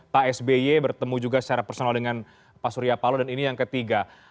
pak sby bertemu juga secara personal dengan pak surya palo dan ini yang ketiga